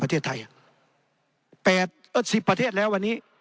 แปดเอ่อ๑๐ประเทศแล้ววันนี้